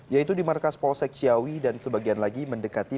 yaitu di markas polsek ciawi dan sebagian lagi mendekati